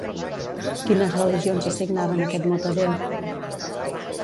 Quines religions assignaven aquest mot a Déu?